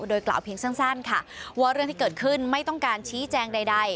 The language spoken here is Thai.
โดยกล่าวเพียงสั้นค่ะว่าเรื่องที่เกิดขึ้นไม่ต้องการชี้แจงใด